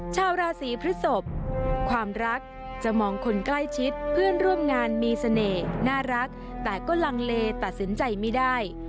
ชาวราศีพฤศพความรักจะมองคนใกล้ชิดเพื่อนร่วมงานมีเสน่ห์น่ารักแต่ก็ลังเลตัดสินใจไม่ได้